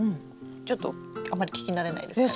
ちょっとあんまり聞き慣れないですかね。